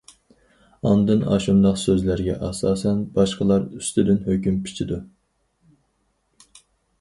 ئاندىن ئاشۇنداق سۆزلەرگە ئاساسەن باشقىلار ئۈستىدىن ھۆكۈم پىچىدۇ.